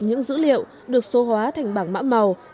những dữ liệu được số hóa thành bảng mã màu